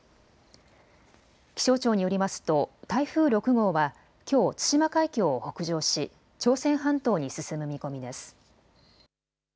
気象庁によりますと台風６号はきょう対馬海峡を北上し朝鮮半島に進む見込みです。